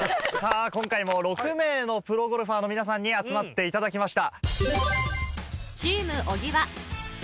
今回も６名のプロゴルファーの皆さんに集まっていただきました。